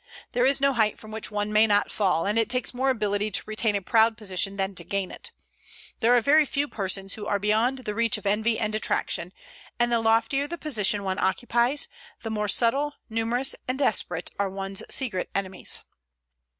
There is no height from which one may not fall; and it takes more ability to retain a proud position than to gain it. There are very few persons who are beyond the reach of envy and detraction; and the loftier the position one occupies, the more subtle, numerous, and desperate are one's secret enemies.